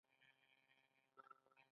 بېټ نیکه د کسي غره په لمنو کې اوسیده.